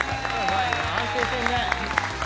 安定してるね。